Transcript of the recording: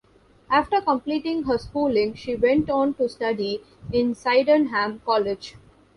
After completing her schooling she went on to study in Sydenham College.